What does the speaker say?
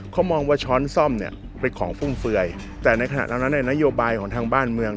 เขามองว่าช้อนซ่อมเนี่ยเป็นของฟุ่มเฟือยแต่ในขณะนั้นนโยบายของทางบ้านเมือง